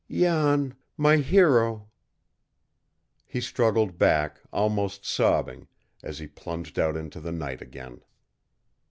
"Jan, my hero " He struggled back, almost sobbing, as he plunged out into the night again.